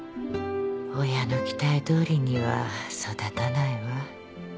親の期待どおりには育たないわ。